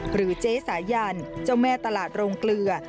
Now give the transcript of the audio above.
หรือเจ๊สายันเจ้าแม่ตลาดโรงเกลือ